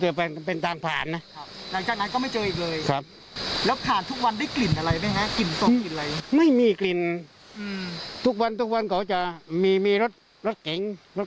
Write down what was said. ที่ผ่านมาเราเคยเห็นเค้าทะเลาะกันไหมครับ